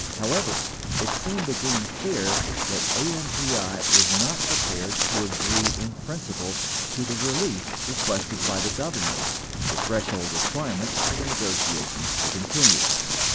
However, it soon became clear that AMPI was not prepared to agree in principle to the relief requested by the Government — the threshold requirement for the nego tiations to continue.